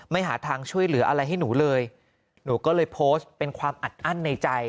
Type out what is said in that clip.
หาทางช่วยเหลืออะไรให้หนูเลยหนูก็เลยโพสต์เป็นความอัดอั้นในใจ